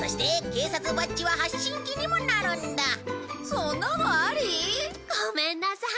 そんなのあり！？ごめんなさい。